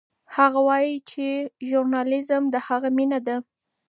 هغه وایي چې ژورنالیزم د هغه مینه ده.